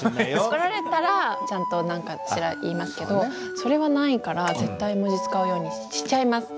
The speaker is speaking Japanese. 怒られたらちゃんとなんかしら言いますけどそれはないから絶対絵文字使うようにしちゃいます。